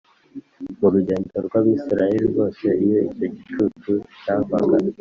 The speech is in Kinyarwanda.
Mu rugendo rw Abisirayeli rwose iyo icyo gicu cyavaga